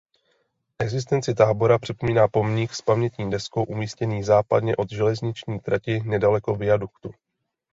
Existenci tábora připomíná pomník s pamětní deskou umístěný západně od železniční trati nedaleko viaduktu.